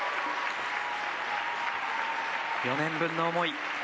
４年分の思い。